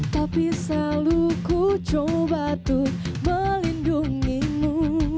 tapi selalu ku coba tuh melindungimu